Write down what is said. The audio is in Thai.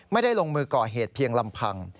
ไม่ได้ลงมือก่อเหตุเพียงลำพัง